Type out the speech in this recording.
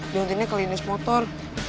diantaranya kelinis motor